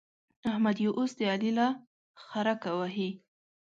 احمد يې اوس د علي له خرکه وهي.